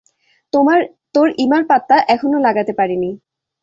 তোর ইমার পাত্তা এখনো লাগাতে পারি নি।